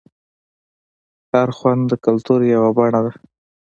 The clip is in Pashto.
هر خوند د کلتور یوه بڼه ده.